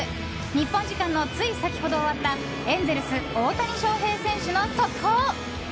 日本時間のつい先ほど終わったエンゼルス、大谷翔平選手の速報。